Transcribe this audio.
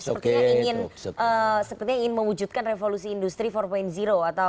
sepertinya ingin mewujudkan revolusi industri empat atau gimana